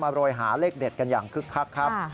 โรยหาเลขเด็ดกันอย่างคึกคักครับ